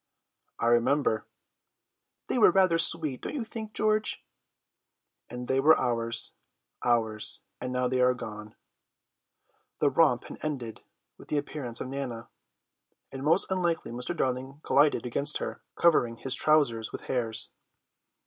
'" "I remember!" "They were rather sweet, don't you think, George?" "And they were ours, ours! and now they are gone." The romp had ended with the appearance of Nana, and most unluckily Mr. Darling collided against her, covering his trousers with hairs.